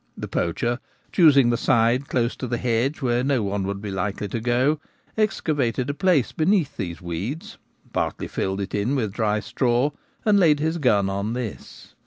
The poacher, choosing the side close to the hedge, where no one would be likely to go, excavated a place be neath these weeds, j partly filled it in with dry straw, and laid his gun on this.